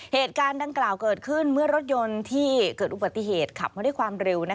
เหตุการณ์ดังกล่าวเกิดขึ้นเมื่อรถยนต์ที่เกิดอุบัติเหตุขับมาด้วยความเร็ว